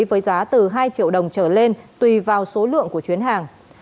với giá từ hai triệu đồng trở lên tùy vào số lượng của chuyến hàng